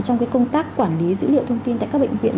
trong công tác quản lý dữ liệu thông tin tại các bệnh viện